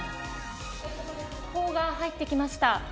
速報が入ってきました。